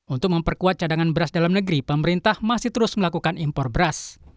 untuk memperkuat cadangan beras dalam negeri pemerintah masih terus melakukan impor beras